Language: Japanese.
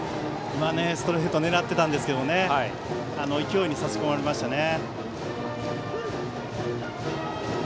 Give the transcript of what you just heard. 今、ストレート狙っていたんですが勢いに差し込まれましたね。